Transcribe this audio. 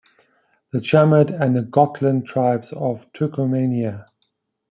"The Yamud and Goklan tribes of Turkomania".